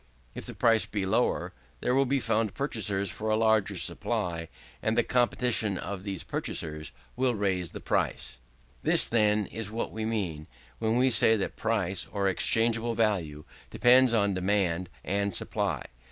If the price be lower, there will be found purchasers for a larger supply, and the competition of these purchasers will raise the price. This, then, is what we mean, when we say that price, or exchangeable value, depends on demand and supply.